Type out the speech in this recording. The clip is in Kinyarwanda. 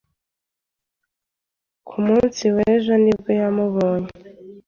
Ku munsi w'ejo ni bwo yamubonye.